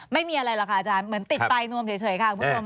ไม่มีอะไรหรอกค่ะอาจารย์เหมือนติดปลายนวมเฉยค่ะคุณผู้ชม